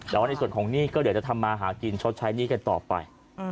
แต่ว่าในส่วนของหนี้ก็เดี๋ยวจะทำมาหากินชดใช้หนี้กันต่อไป